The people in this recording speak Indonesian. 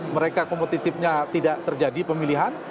mereka kompetitifnya tidak terjadi pemilihan